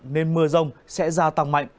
nên mưa rông sẽ gia tăng mạnh